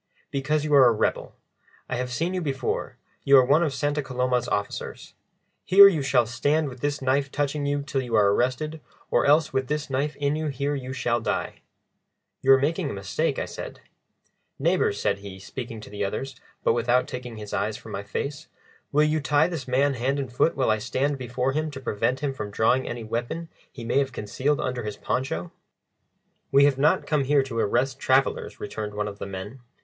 "Because you are a rebel. I have seen you before, you are one of Santa Coloma's officers. Here you shall stand with this knife touching you till you are arrested, or else with this knife in you here you shall die." "You are making a mistake," I said. "Neighbours," said he, speaking to the others, but without taking his eyes from my face, "will you tie this man hand and foot while I stand before him to prevent him from drawing any weapon he may have concealed under his poncho?" "We have not come here to arrest travellers," returned one of the men.